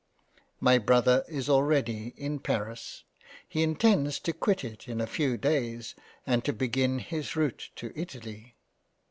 My Brother is already in Paris. He intends to quit it in a few Days, and to begin his route to Italy.